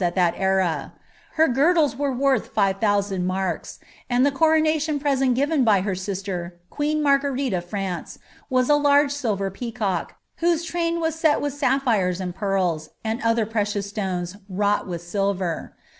at that era ; her girdles were worth 5000 marks ; and the coronation present given by her sister, queen Marguerite of France, was a large silver peacock, whose train was set with sapphires and pearls, and other precious stones, wrought with silver.